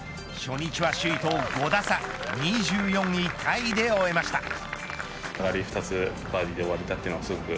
初日は首位と５打差２４位タイで終えました。